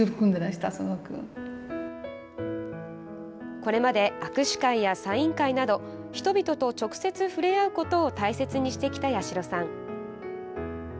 これまで握手会やサイン会など人々と直接、触れ合うことを大切にしてきた八代さん。